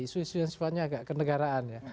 isu isu yang sifatnya agak kendegaraan